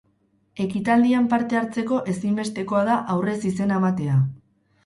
Ekitaldian parte-hartzeko ezinbestekoa da aurrez izena ematea.